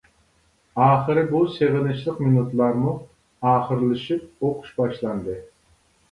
ئاخىرى بۇ سېغىنىشلىق مىنۇتلارمۇ ئاخىرلىشىپ ئوقۇش باشلاندى.